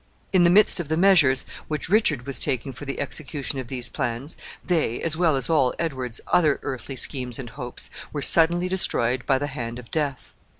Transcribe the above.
In the midst of the measures which Richard was taking for the execution of these plans, they, as well as all Edward's other earthly schemes and hopes, were suddenly destroyed by the hand of death.